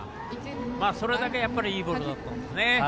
それだけ、やっぱりいいボールだったんですね。